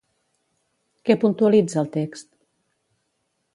Què puntualitza el text?